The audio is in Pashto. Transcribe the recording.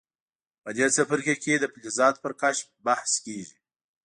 په دې څپرکي کې د فلزاتو پر کشف بحث کیږي.